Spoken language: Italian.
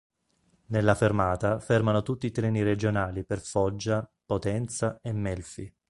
Nella fermata fermano tutti i treni regionali per Foggia, Potenza e Melfi.